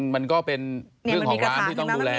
มันก็เป็นเรื่องของร้านที่ต้องดูแล